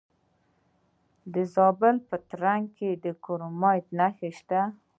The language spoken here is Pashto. د زابل په ترنک کې د کرومایټ نښې شته.